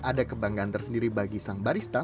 ada kebanggaan tersendiri bagi sang barista